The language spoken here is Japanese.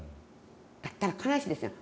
だったら悲しいですやん。